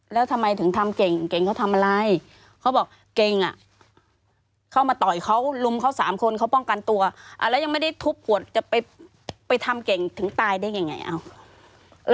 แล้วคนที่เล่าให้ฟังก่อนที่ปอยจะเล่าคือใคร